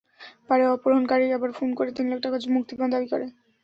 পরে অপহরণকারীরা আবার ফোন করে তিন লাখ টাকা মুক্তিপণ দাবি করে।